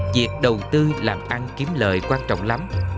việc đầu tư làm ăn kiếm lời quan trọng lắm